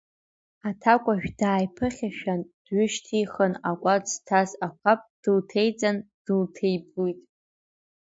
Аҭакәажә дааиԥыхьашәан, дҩышьҭихын акәац зҭаз ақәаб дылҭеиҵан дылҭеиблит.